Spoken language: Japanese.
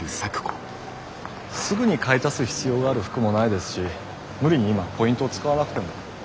すぐに買い足す必要がある服もないですし無理に今ポイントを使わなくても。